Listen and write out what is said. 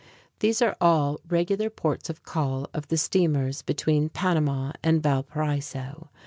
These are all regular ports of call of the steamers between Panama and Valparaiso.